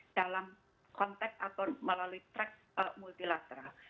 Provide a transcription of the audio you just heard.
dalam konteks atau melalui track multilateral